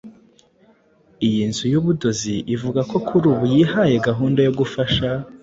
Iyi nzu y’ubudozi ivuga ko kuri ubu yihaye gahunda yo gufasha